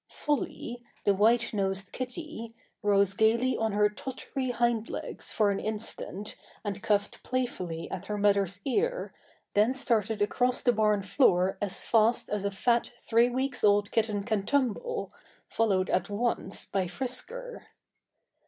Folly, the white nosed kitty, rose gaily on her tottery hind legs for an instant and cuffed playfully at her mother's ear, then started across the barn floor as fast as a fat three weeks old kitten can tumble, followed at once by Frisker.